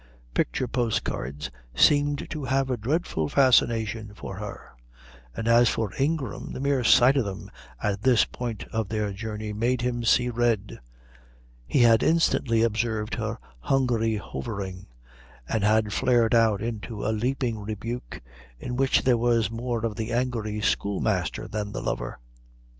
Picture postcards seemed to have a dreadful fascination for her; and as for Ingram, the mere sight of them at this point of their journey made him see red. He had instantly observed her hungry hovering, and had flared out into a leaping rebuke in which there was more of the angry schoolmaster than the lover.